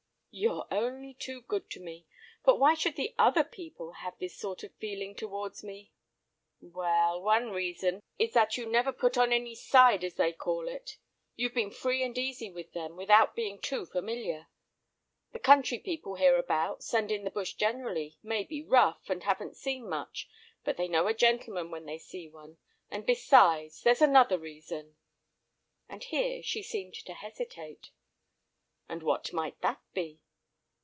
"You're only too good to me, but why should the other people have this sort of feeling towards me?" "Well, one reason is that you never put on any side, as they call it. You've been free and easy with them, without being too familiar. The country people hereabouts, and in the bush generally, may be rough, and haven't seen much, but they know a gentleman when they see one, and besides, there's another reason—" And here she seemed to hesitate. "And what might that be?"